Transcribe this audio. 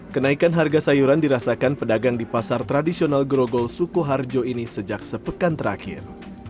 kenaikan harga sayuran dirasakan pedagang di pasar tradisional grogol sukoharjo ini sejak sepekan terakhir